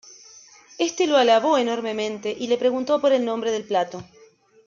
Éste lo alabó enormemente y le preguntó por el nombre del plato.